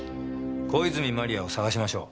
小泉万里亜を捜しましょう。